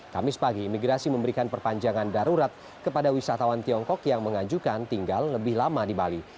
kamis pagi imigrasi memberikan perpanjangan darurat kepada wisatawan tiongkok yang mengajukan tinggal lebih lama di bali